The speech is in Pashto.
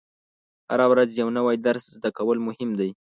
هره ورځ یو نوی درس زده کول مهم دي.